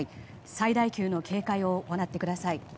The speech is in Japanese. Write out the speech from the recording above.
最大級の警戒を行ってください。